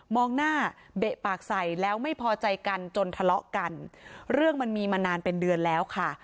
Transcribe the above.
หน้าเบะปากใส่แล้วไม่พอใจกันจนทะเลาะกันเรื่องมันมีมานานเป็นเดือนแล้วค่ะ